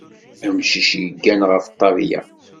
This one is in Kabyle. Amcic yeggan ɣef ṭṭabla.